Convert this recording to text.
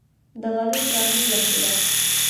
د غلو دانو ذخیره.